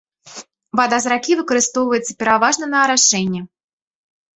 Вада з ракі выкарыстоўваецца пераважна на арашэнне.